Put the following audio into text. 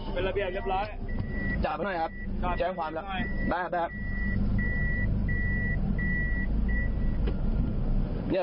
เนี่ยเนี่ยมึงก็ไปใต้แถวบ้านหลายรอบแล้วมึงเห็นแหละ